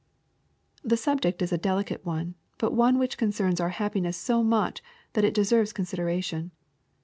The subject is a delicate one, but one which concerns our happiness so much that it deserves consideration.